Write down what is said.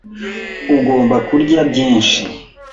Ugomba kurya byinshi.